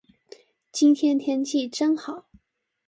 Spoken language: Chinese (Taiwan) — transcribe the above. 今天天氣真好